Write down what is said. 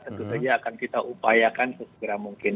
tentu saja akan kita upayakan sesegera mungkin